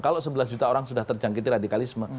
kalau sebelas juta orang sudah terjangkiti radikalisme